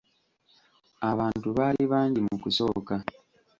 Abantu baali bangi mu kusooka.